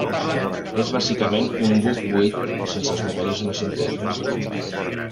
És bàsicament un buc buit, sense els mecanismes interns.